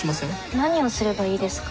何をすればいいですか？